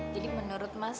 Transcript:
jadi menurut mas